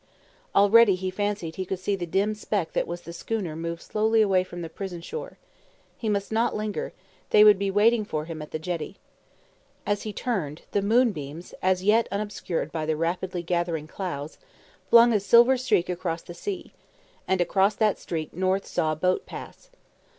Already he fancied he could see the dim speck that was the schooner move slowly away from the prison shore. He must not linger; they would be waiting for him at the jetty. As he turned, the moonbeams as yet unobscured by the rapidly gathering clouds flung a silver streak across the sea, and across that streak North saw a boat pass.